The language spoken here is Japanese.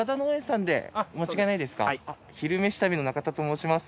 「昼めし旅」の中田と申します。